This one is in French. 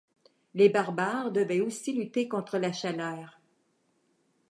Les barbares devaient aussi lutter contre la chaleur.